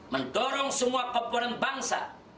mentorong semua pemerintah bangsa